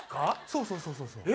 そうそうそうそう。